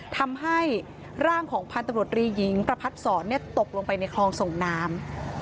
ทำให้ร่างของพันธุ์ตำรวจรีหญิงประพัดศรตกลงไปในคลองส่งน้ำ